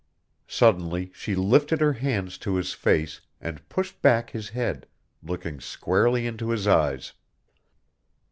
Suddenly she lifted her hands to his face and pushed back his head, looking squarely into his eyes.